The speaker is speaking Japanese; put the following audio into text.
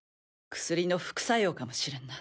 薬の副作用かもしれんな。